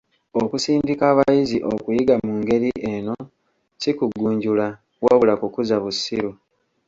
Okusindika abayizi okuyiga mu ngeri eno, si kugunjula wabula kukuza bussiru.